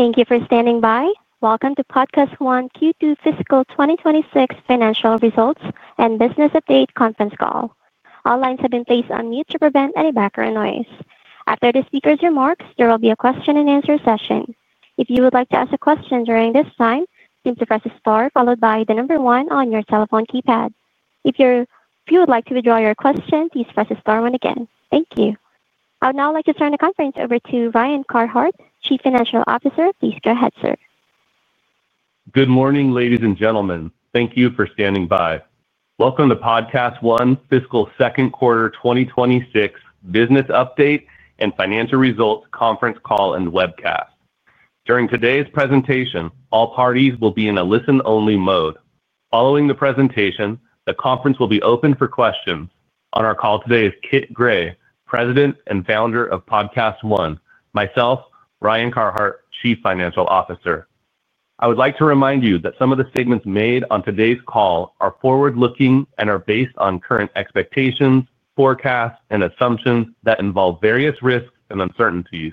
Thank you for standing by. Welcome to PodcastOne Q2 Fiscal 2026 Financial Results and Business Update conference call. All lines have been placed on mute to prevent any background noise. After the speaker's remarks, there will be a question-and-answer session. If you would like to ask a question during this time, please press the star followed by the number one on your cell phone keypad. If you would like to withdraw your question, please press the star once again. Thank you. I would now like to turn the conference over to Ryan Carhart, Chief Financial Officer. Please go ahead, sir. Good morning, ladies and gentlemen. Thank you for standing by. Welcome to PodcastOne Fiscal Second Quarter 2026 Business Update and Financial Results conference call and webcast. During today's presentation, all parties will be in a listen-only mode. Following the presentation, the conference will be open for questions. On our call today is Kit Gray, President and Founder of PodcastOne, myself, Ryan Carhart, Chief Financial Officer. I would like to remind you that some of the statements made on today's call are forward-looking and are based on current expectations, forecasts, and assumptions that involve various risks and uncertainties.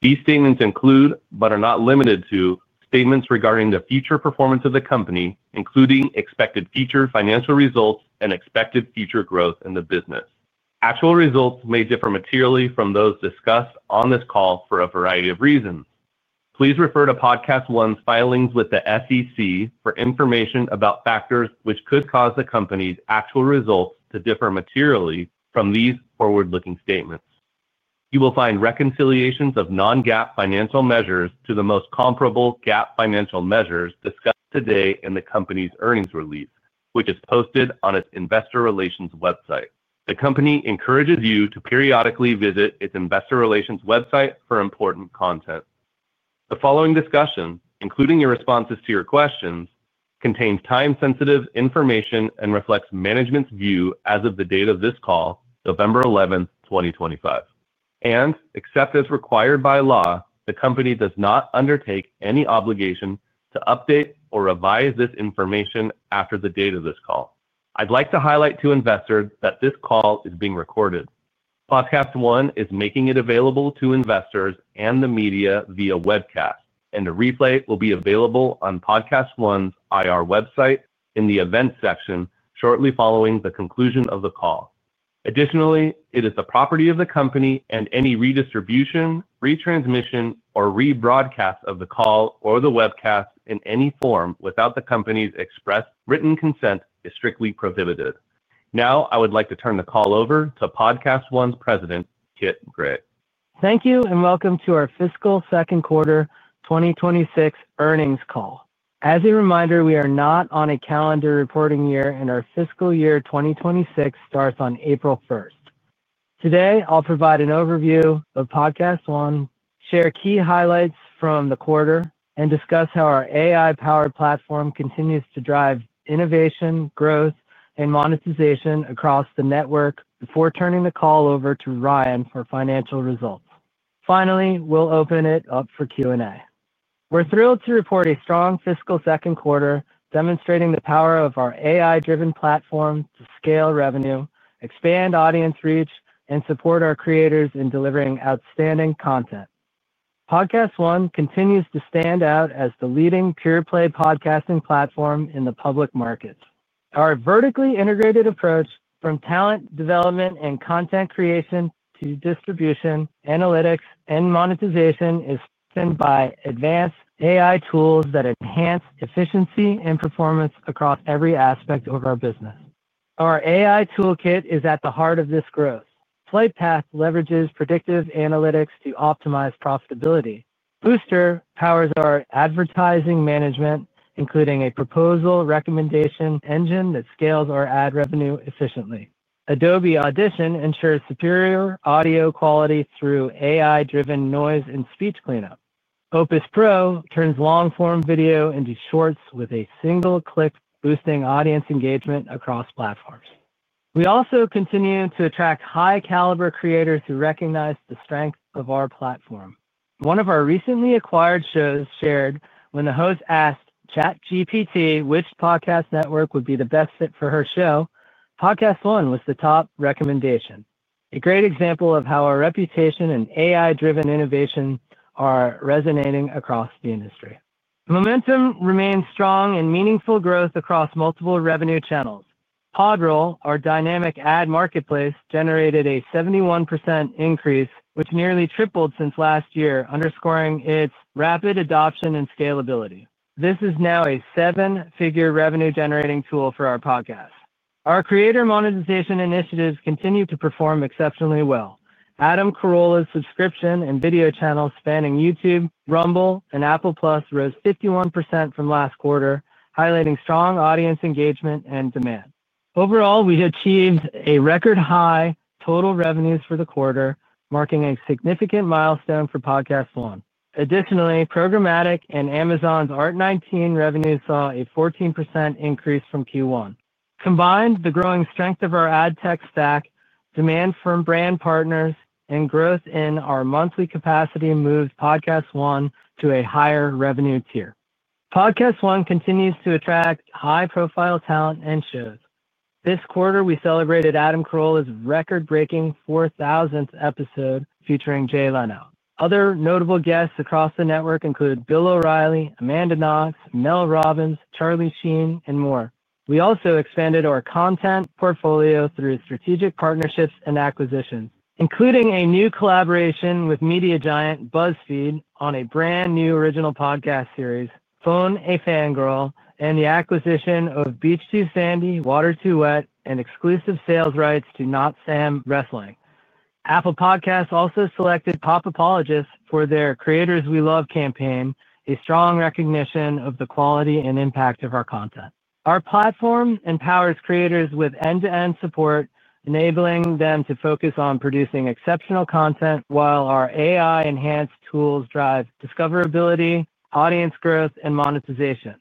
These statements include, but are not limited to, statements regarding the future performance of the company, including expected future financial results and expected future growth in the business. Actual results may differ materially from those discussed on this call for a variety of reasons. Please refer to PodcastOne's filings with the SEC for information about factors which could cause the company's actual results to differ materially from these forward-looking statements. You will find reconciliations of non-GAAP financial measures to the most comparable GAAP financial measures discussed today in the company's earnings release, which is posted on its investor relations website. The company encourages you to periodically visit its investor relations website for important content. The following discussion, including your responses to your questions, contains time-sensitive information and reflects management's view as of the date of this call, November 11th, 2025. Except as required by law, the company does not undertake any obligation to update or revise this information after the date of this call. I'd like to highlight to investors that this call is being recorded. PodcastOne is making it available to investors and the media via webcast, and a replay will be available on PodcastOne's IR website in the event section shortly following the conclusion of the call. Additionally, it is the property of the company, and any redistribution, retransmission, or rebroadcast of the call or the webcast in any form without the company's expressed written consent is strictly prohibited. Now, I would like to turn the call over to PodcastOne's President, Kit Gray. Thank you, and welcome to our Fiscal Second Quarter 2026 earnings call. As a reminder, we are not on a calendar reporting year, and our fiscal year 2026 starts on April 1st. Today, I'll provide an overview of PodcastOne, share key highlights from the quarter, and discuss how our AI-powered platform continues to drive innovation, growth, and monetization across the network before turning the call over to Ryan for financial results. Finally, we'll open it up for Q&A. We're thrilled to report a strong fiscal second quarter, demonstrating the power of our AI-driven platform to scale revenue, expand audience reach, and support our creators in delivering outstanding content. PodcastOne continues to stand out as the leading pure-play podcasting platform in the public markets. Our vertically integrated approach, from talent development and content creation to distribution, analytics, and monetization, is strengthened by advanced AI tools that enhance efficiency and performance across every aspect of our business. Our AI toolkit is at the heart of this growth. Flightpath leverages predictive analytics to optimize profitability. Booster powers our advertising management, including a proposal recommendation engine that scales our ad revenue efficiently. Adobe Audition ensures superior audio quality through AI-driven noise and speech cleanup. Opus Pro turns long-form video into shorts with a single click, boosting audience engagement across platforms. We also continue to attract high-caliber creators who recognize the strength of our platform. One of our recently acquired shows shared, when the host asked ChatGPT which podcast network would be the best fit for her show, PodcastOne was the top recommendation. A great example of how our reputation and AI-driven innovation are resonating across the industry. Momentum remains strong and meaningful growth across multiple revenue channels. Podroll, our dynamic ad marketplace, generated a 71% increase, which nearly tripled since last year, underscoring its rapid adoption and scalability. This is now a seven-figure revenue-generating tool for our podcast. Our creator monetization initiatives continue to perform exceptionally well. Adam Carolla's subscription and video channels spanning YouTube, Rumble, and Apple Plus rose 51% from last quarter, highlighting strong audience engagement and demand. Overall, we achieved a record high total revenues for the quarter, marking a significant milestone for PodcastOne. Additionally, Programmatic and Amazon's ART19 revenue saw a 14% increase from Q1. Combined, the growing strength of our ad tech stack, demand from brand partners, and growth in our monthly capacity moved PodcastOne to a higher revenue tier. PodcastOne continues to attract high-profile talent and shows. This quarter, we celebrated Adam Carolla's record-breaking 4,000th episode featuring Jay Leno. Other notable guests across the network include Bill O'Reilly, Amanda Knox, Mel Robbins, Charlie Sheen, and more. We also expanded our content portfolio through strategic partnerships and acquisitions, including a new collaboration with media giant BuzzFeed on a brand new original podcast series, Phone a Fangirl, and the acquisition of Beach Too Sandy, Water Too Wet, and exclusive sales rights to NotSam Wrestling. Apple Podcasts also selected Pop Apologists for their Creators We Love campaign, a strong recognition of the quality and impact of our content. Our platform empowers creators with end-to-end support, enabling them to focus on producing exceptional content while our AI-enhanced tools drive discoverability, audience growth, and monetization.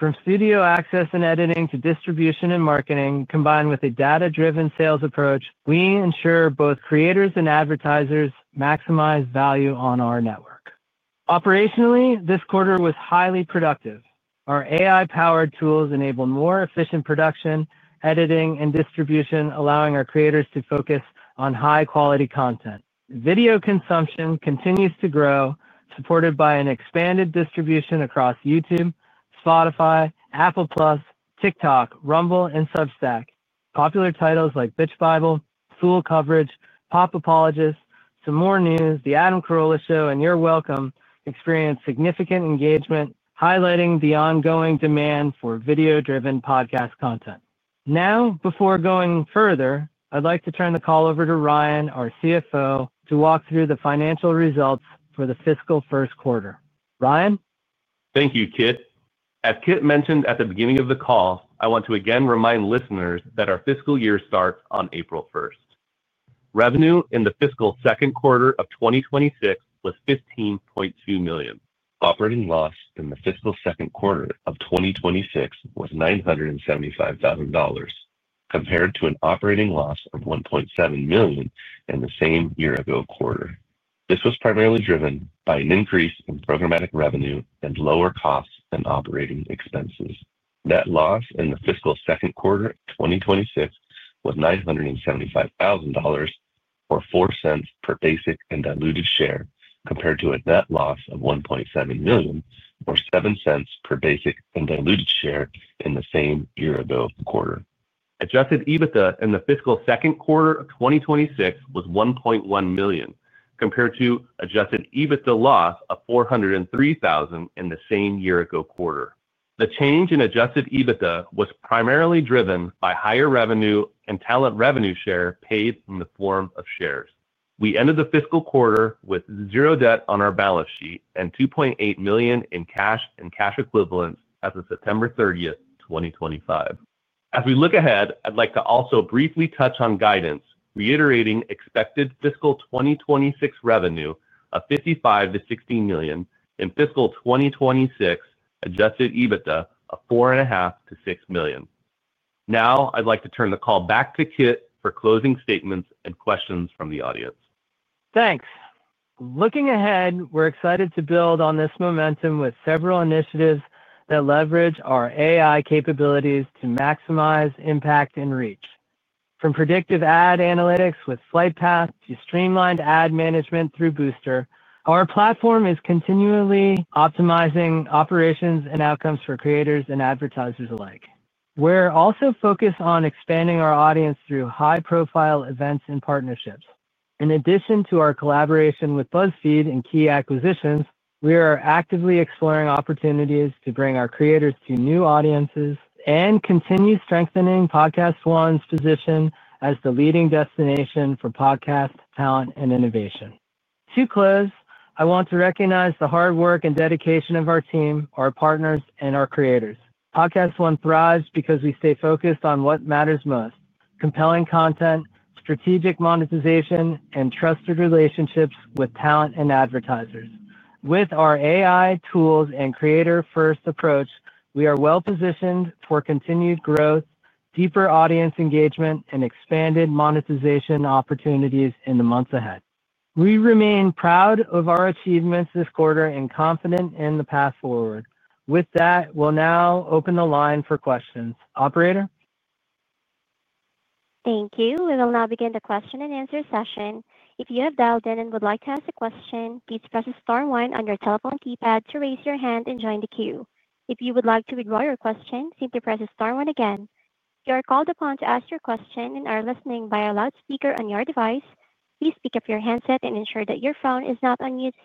From studio access and editing to distribution and marketing, combined with a data-driven sales approach, we ensure both creators and advertisers maximize value on our network. Operationally, this quarter was highly productive. Our AI-powered tools enabled more efficient production, editing, and distribution, allowing our creators to focus on high-quality content. Video consumption continues to grow, supported by an expanded distribution across YouTube, Spotify, Apple Podcasts, TikTok, Rumble, and Substack. Popular titles like Bitch Bible, Fool Coverage, Pop Apologists, Some More News, The Adam Carolla Show, and You're Welcome experienced significant engagement, highlighting the ongoing demand for video-driven podcast content. Now, before going further, I'd like to turn the call over to Ryan, our CFO, to walk through the financial results for the fiscal first quarter. Ryan? Thank you, Kit. As Kit mentioned at the beginning of the call, I want to again remind listeners that our fiscal year starts on April 1. Revenue in the fiscal second quarter of 2026 was $15.2 million. Operating loss in the fiscal second quarter of 2026 was $975,000, compared to an operating loss of $1.7 million in the same year-ago quarter. This was primarily driven by an increase in programmatic revenue and lower costs than operating expenses. Net loss in the fiscal second quarter of 2026 was $975,000, or $0.04 per basic and diluted share, compared to a net loss of $1.7 million, or $0.07 per basic and diluted share in the same year-ago quarter. Adjusted EBITDA in the fiscal second quarter of 2026 was $1.1 million, compared to adjusted EBITDA loss of $403,000 in the same year-ago quarter. The change in adjusted EBITDA was primarily driven by higher revenue and talent revenue share paid in the form of shares. We ended the fiscal quarter with zero debt on our balance sheet and $2.8 million in cash and cash equivalents as of September 30, 2025. As we look ahead, I'd like to also briefly touch on guidance, reiterating expected fiscal 2026 revenue of $55-$60 million and fiscal 2026 adjusted EBITDA of $4.5 million-$6 million. Now, I'd like to turn the call back to Kit for closing statements and questions from the audience. Thanks. Looking ahead, we're excited to build on this momentum with several initiatives that leverage our AI capabilities to maximize impact and reach. From predictive ad analytics with Flightpath to streamlined ad management through Booster, our platform is continually optimizing operations and outcomes for creators and advertisers alike. We're also focused on expanding our audience through high-profile events and partnerships. In addition to our collaboration with BuzzFeed and key acquisitions, we are actively exploring opportunities to bring our creators to new audiences and continue strengthening PodcastOne's position as the leading destination for podcast talent and innovation. To close, I want to recognize the hard work and dedication of our team, our partners, and our creators. PodcastOne thrives because we stay focused on what matters most: compelling content, strategic monetization, and trusted relationships with talent and advertisers. With our AI tools and creator-first approach, we are well-positioned for continued growth, deeper audience engagement, and expanded monetization opportunities in the months ahead. We remain proud of our achievements this quarter and confident in the path forward. With that, we'll now open the line for questions. Operator? Thank you. We will now begin the question and answer session. If you have dialed in and would like to ask a question, please press the star one on your telephone keypad to raise your hand and join the queue. If you would like to withdraw your question, simply press the star one again. If you are called upon to ask your question and are listening via loudspeaker on your device, please pick up your handset and ensure that your phone is not on mute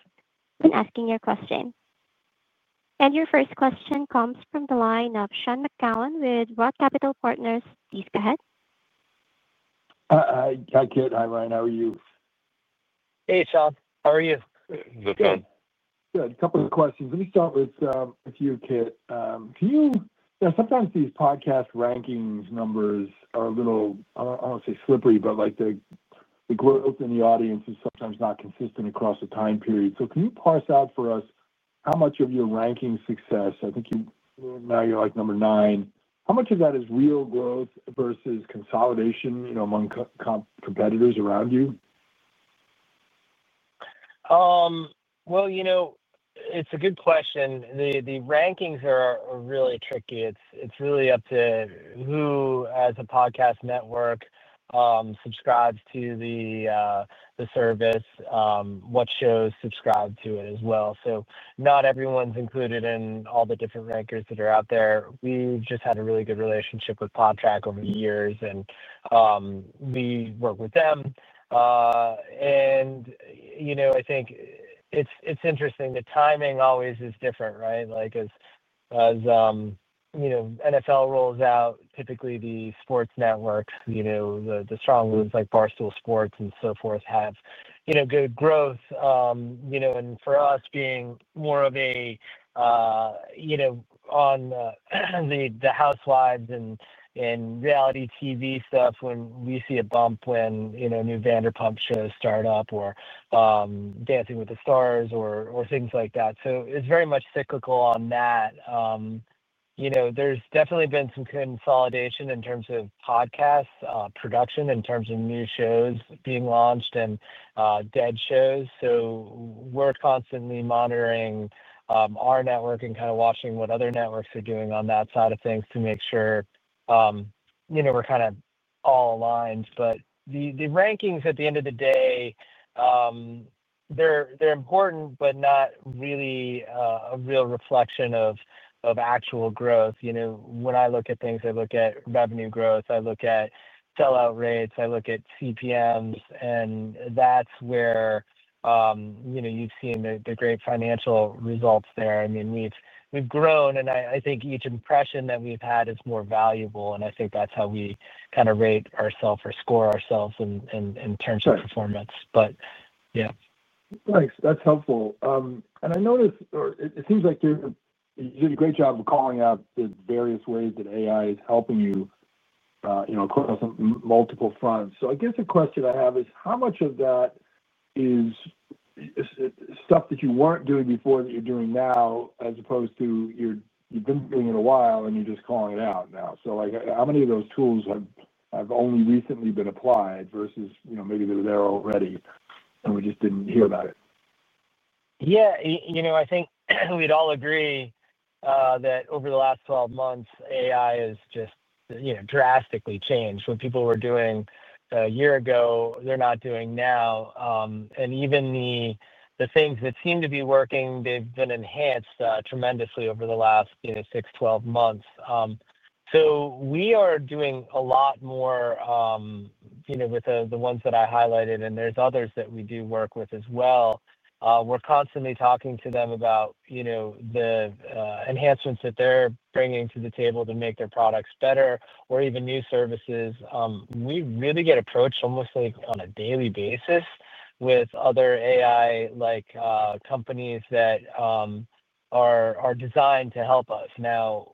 when asking your question. Your first question comes from the line of Sean McGowan with ROTH Capital Partners. Please go ahead. Hi, Kit. Hi, Ryan. How are you? Hey, Sean. How are you? Good. Good. A couple of questions. Let me start with a few, Kit. Can you—sometimes these podcast rankings numbers are a little, I do not want to say slippery, but the growth in the audience is sometimes not consistent across a time period. Can you parse out for us how much of your ranking success—I think you are now like number nine—how much of that is real growth versus consolidation among competitors around you? You know, it is a good question. The rankings are really tricky. It is really up to who, as a podcast network, subscribes to the service, what shows subscribe to it as well. Not everyone is included in all the different rankers that are out there. We have just had a really good relationship with Podtrac over the years, and we work with them. You know, I think it is interesting. The timing always is different, right? Like as, you know, NFL rolls out, typically the sports networks, you know, the strong ones like Barstool Sports and so forth have good growth. You know, and for us being more of a, you know, on the housewives and reality TV stuff, we see a bump when a new Vanderpump show starts up or Dancing with the Stars or things like that. It is very much cyclical on that. You know, there's definitely been some consolidation in terms of podcast production, in terms of new shows being launched and dead shows. We are constantly monitoring our network and kind of watching what other networks are doing on that side of things to make sure, you know, we're kind of all aligned. The rankings, at the end of the day, they're important, but not really a real reflection of actual growth. You know, when I look at things, I look at revenue growth, I look at sell-out rates, I look at CPMs, and that's where you've seen the great financial results there. I mean, we've grown, and I think each impression that we've had is more valuable, and I think that's how we kind of rate ourselves or score ourselves in terms of performance. But yeah. Thanks. That's helpful. I noticed, or it seems like you did a great job of calling out the various ways that AI is helping you across multiple fronts. I guess a question I have is, how much of that is stuff that you weren't doing before that you're doing now, as opposed to you've been doing it a while and you're just calling it out now? How many of those tools have only recently been applied versus maybe they were there already and we just didn't hear about it? Yeah. You know, I think we'd all agree that over the last 12 months, AI has just drastically changed. What people were doing a year ago, they're not doing now. Even the things that seem to be working, they've been enhanced tremendously over the last 6, 12 months. We are doing a lot more with the ones that I highlighted, and there's others that we do work with as well. We're constantly talking to them about the enhancements that they're bringing to the table to make their products better or even new services. We really get approached almost like on a daily basis with other AI companies that are designed to help us. Now,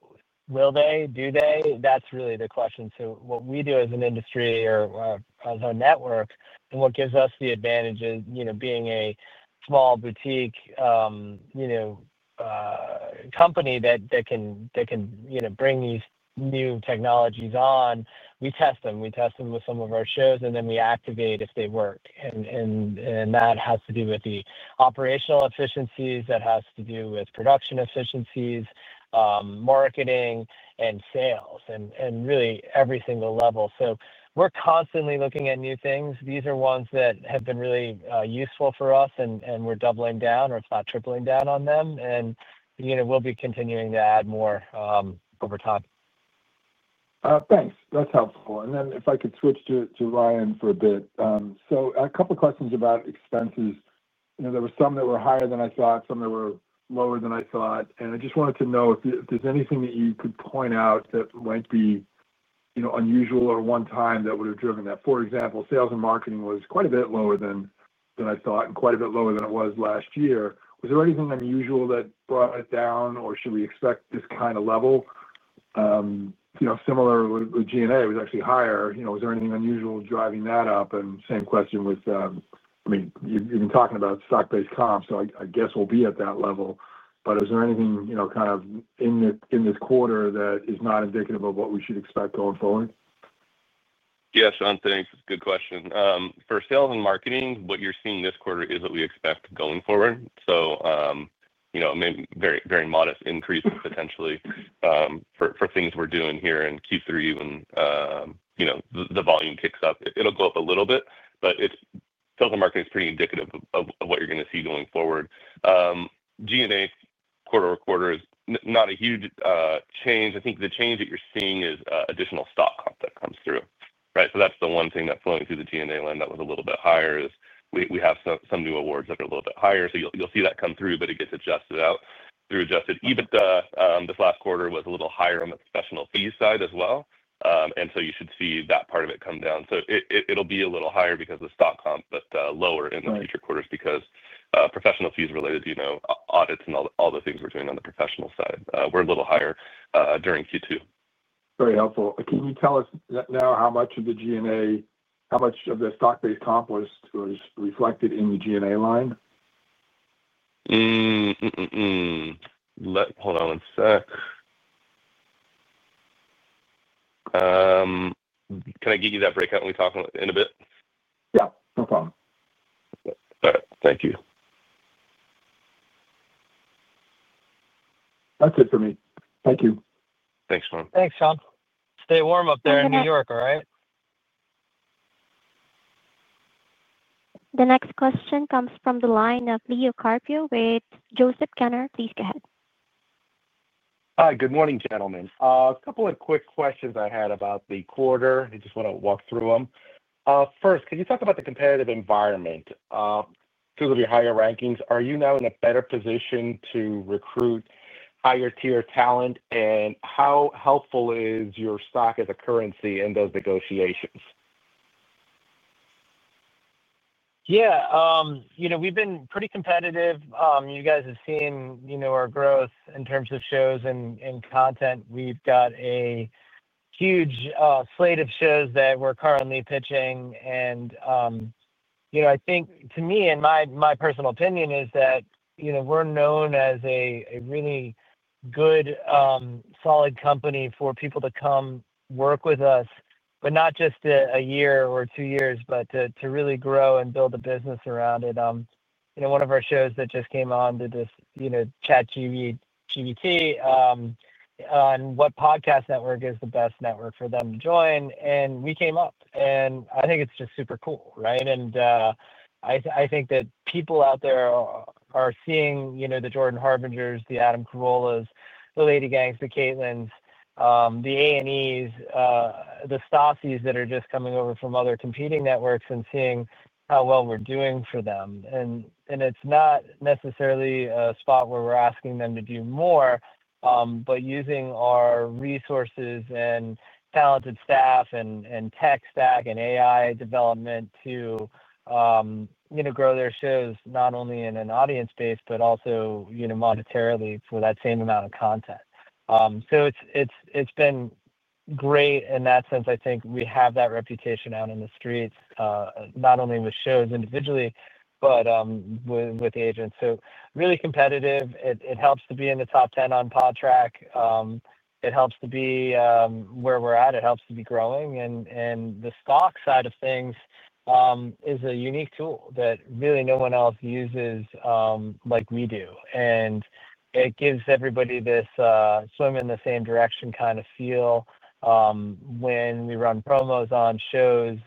will they? Do they? That's really the question. What we do as an industry or as a network, and what gives us the advantage of being a small boutique company that can bring these new technologies on, we test them. We test them with some of our shows, and then we activate if they work. That has to do with the operational efficiencies, that has to do with production efficiencies, marketing, and sales, and really every single level. We are constantly looking at new things. These are ones that have been really useful for us, and we are doubling down or, if not tripling down, on them. We will be continuing to add more over time. Thanks. That's helpful. If I could switch to Ryan for a bit. A couple of questions about expenses. There were some that were higher than I thought, some that were lower than I thought. I just wanted to know if there's anything that you could point out that might be unusual or one time that would have driven that. For example, sales and marketing was quite a bit lower than I thought and quite a bit lower than it was last year. Was there anything unusual that brought it down, or should we expect this kind of level? Similar with G&A was actually higher. Was there anything unusual driving that up? Same question with, I mean, you've been talking about stock-based comps, so I guess we'll be at that level. Is there anything kind of in this quarter that is not indicative of what we should expect going forward? Yes, Sean, thanks. Good question. For sales and marketing, what you're seeing this quarter is what we expect going forward. A very modest increase potentially for things we're doing here in Q3. When the volume kicks up, it'll go up a little bit, but sales and marketing is pretty indicative of what you're going to see going forward. G&A quarter over quarter is not a huge change. I think the change that you're seeing is additional stock comp that comes through. That's the one thing that's flowing through the G&A line that was a little bit higher is we have some new awards that are a little bit higher. You'll see that come through, but it gets adjusted out through adjusted EBITDA. This last quarter was a little higher on the professional fee side as well. You should see that part of it come down. It'll be a little higher because of the stock comp, but lower in the future quarters because professional fees related, audits, and all the things we're doing on the professional side were a little higher during Q2. Very helpful. Can you tell us now how much of the G&A, how much of the stock-based comp was reflected in the G&A line? Hold on one sec. Can I give you that breakout when we talk in a bit? Yeah. No problem. All right. Thank you. That's it for me. Thank you. Thanks, Sean. Thanks, Sean. Stay warm up there in New York, all right? The next question comes from the line of Leo Carpio with Joseph Gunnar. Please go ahead. Hi, good morning, gentlemen. A couple of quick questions I had about the quarter. I just want to walk through them. First, can you talk about the competitive environment? Because of your higher rankings, are you now in a better position to recruit higher-tier talent? How helpful is your stock as a currency in those negotiations? Yeah. You know, we've been pretty competitive. You guys have seen our growth in terms of shows and content. We've got a huge slate of shows that we're currently pitching. I think, to me, and my personal opinion is that we're known as a really good, solid company for people to come work with us, but not just a year or two years, but to really grow and build a business around it. One of our shows that just came on to this ChatGPT on what podcast network is the best network for them to join. We came up. I think it's just super cool, right? I think that people out there are seeing the Jordan Harbingers, the Adam Carollas, the Lady Gangs, the Caitlyns, the A&Es, the Stassis that are just coming over from other competing networks and seeing how well we're doing for them. It is not necessarily a spot where we are asking them to do more, but using our resources and talented staff and tech stack and AI development to grow their shows, not only in an audience base, but also monetarily for that same amount of content. It has been great in that sense. I think we have that reputation out in the streets, not only with shows individually, but with agents. Really competitive. It helps to be in the top 10 on Podtrac. It helps to be where we are at. It helps to be growing. The stock side of things is a unique tool that really no one else uses like we do. It gives everybody this swim in the same direction kind of feel. When we run promos on shows,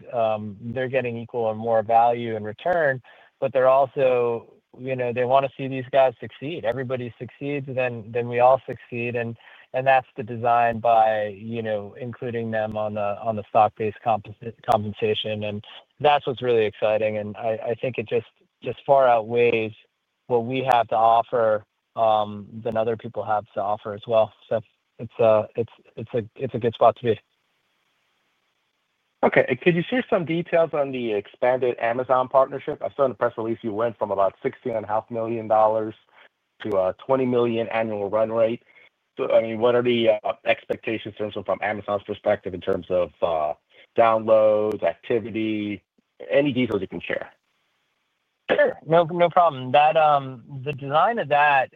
they're getting equal or more value in return, but they're also, you know, they want to see these guys succeed. Everybody succeeds, then we all succeed. That is the design by including them on the stock-based compensation. That is what's really exciting. I think it just far outweighs what we have to offer than other people have to offer as well. It is a good spot to be. Okay. Could you share some details on the expanded Amazon partnership? I saw in the press release you went from about $16.5 million to a $20 million annual run rate. I mean, what are the expectations from Amazon's perspective in terms of downloads, activity, any details you can share? Sure. No problem. The design of that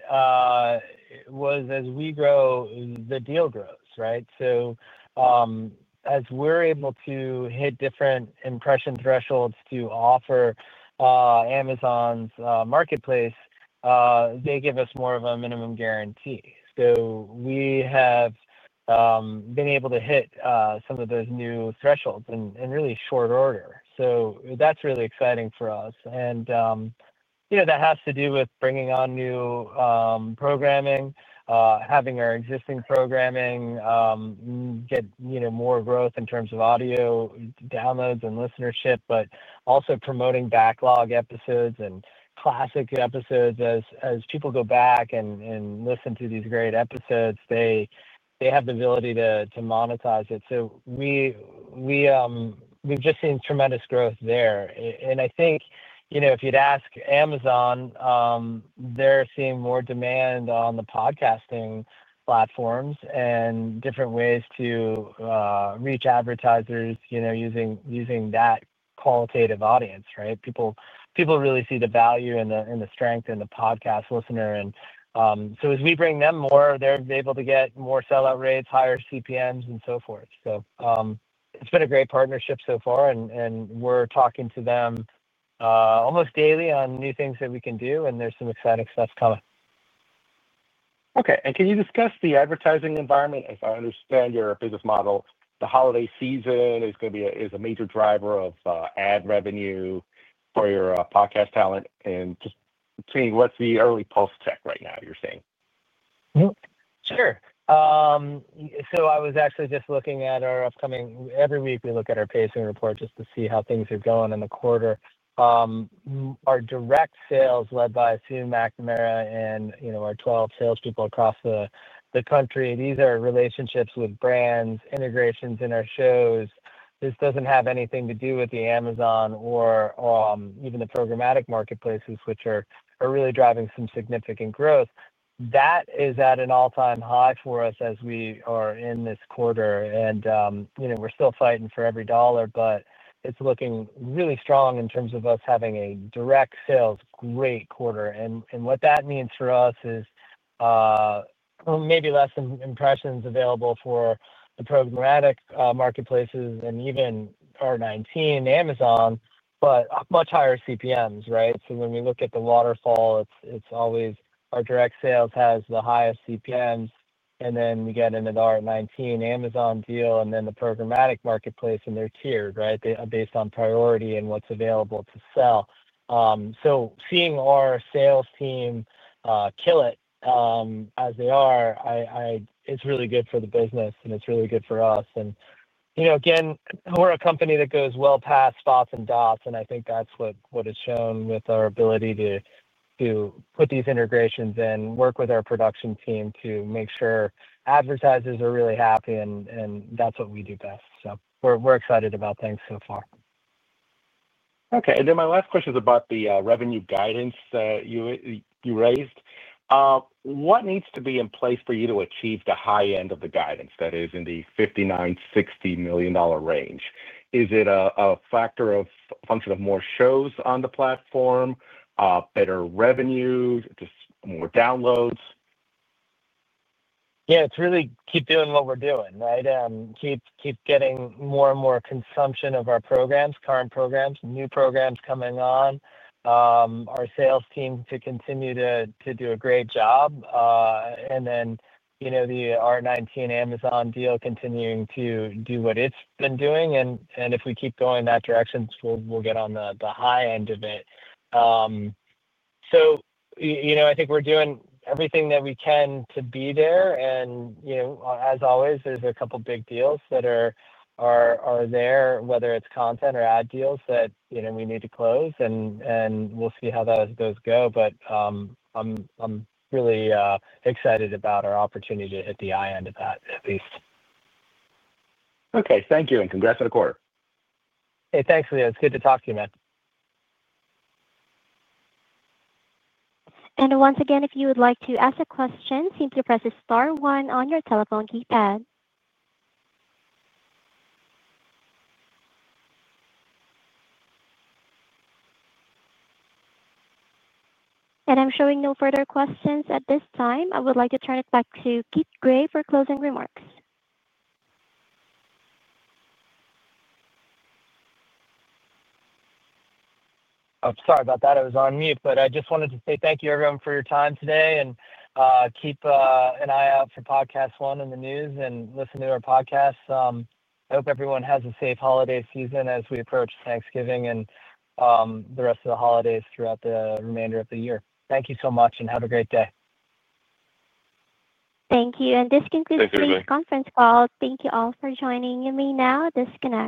was as we grow, the deal grows, right? As we're able to hit different impression thresholds to offer Amazon's marketplace, they give us more of a minimum guarantee. We have been able to hit some of those new thresholds in really short order. That is really exciting for us. That has to do with bringing on new programming, having our existing programming get more growth in terms of audio downloads and listenership, but also promoting backlog episodes and classic episodes. As people go back and listen to these great episodes, they have the ability to monetize it. We have just seen tremendous growth there. I think if you'd ask Amazon, they're seeing more demand on the podcasting platforms and different ways to reach advertisers using that qualitative audience, right? People really see the value and the strength in the podcast listener. As we bring them more, they're able to get more sell-out rates, higher CPMs, and so forth. It has been a great partnership so far, and we're talking to them almost daily on new things that we can do, and there's some exciting stuff coming. Okay. Can you discuss the advertising environment? As I understand your business model, the holiday season is going to be a major driver of ad revenue for your podcast talent. Just seeing, what's the early pulse check right now you're seeing? Sure. I was actually just looking at our upcoming every week we look at our pacing report just to see how things are going in the quarter. Our direct sales led by Sue McNamara and our 12 salespeople across the country, these are relationships with brands, integrations in our shows. This does not have anything to do with Amazon or even the programmatic marketplaces, which are really driving some significant growth. That is at an all-time high for us as we are in this quarter. We are still fighting for every dollar, but it is looking really strong in terms of us having a direct sales great quarter. What that means for us is maybe less impressions available for the programmatic marketplaces and even ART19 Amazon, but much higher CPMs, right? When we look at the waterfall, it's always our direct sales has the highest CPMs, and then we get into the Art19 Amazon deal, and then the programmatic marketplace, and they're tiered, right, based on priority and what's available to sell. Seeing our sales team kill it as they are, it's really good for the business, and it's really good for us. Again, we're a company that goes well past spots and dots, and I think that's what is shown with our ability to put these integrations and work with our production team to make sure advertisers are really happy, and that's what we do best. We're excited about things so far. Okay. My last question is about the revenue guidance that you raised. What needs to be in place for you to achieve the high end of the guidance that is in the $59-$60 million range? Is it a factor or function of more shows on the platform, better revenue, just more downloads? Yeah. It's really keep doing what we're doing, right? Keep getting more and more consumption of our programs, current programs, new programs coming on. Our sales team to continue to do a great job. And then the Art19 Amazon deal continuing to do what it's been doing. If we keep going in that direction, we'll get on the high end of it. I think we're doing everything that we can to be there. As always, there's a couple of big deals that are there, whether it's content or ad deals that we need to close, and we'll see how those go. I'm really excited about our opportunity to hit the high end of that, at least. Okay. Thank you. Congrats on the quarter. Hey, thanks, Leo. It's good to talk to you, man. If you would like to ask a question, simply press the star one on your telephone keypad. I am showing no further questions at this time. I would like to turn it back to Kit Gray for closing remarks. I'm sorry about that. It was on mute, but I just wanted to say thank you, everyone, for your time today. Keep an eye out for PodcastOne in the news and listen to our podcasts. I hope everyone has a safe holiday season as we approach Thanksgiving and the rest of the holidays throughout the remainder of the year. Thank you so much, and have a great day. Thank you. This concludes today's conference call. Thank you all for joining me now. This con.